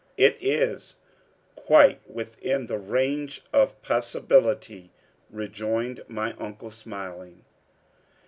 "It is quite within the range of possibility," rejoined my uncle, smiling.